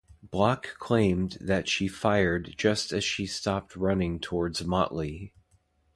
Block claimed that she fired just as she stopped running toward Motley.